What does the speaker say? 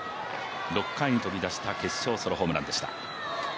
６回に飛び出した決勝ソロホームランでした。